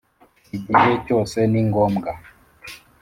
igihe cyose ni ngombwa